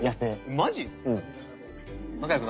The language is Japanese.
マジ？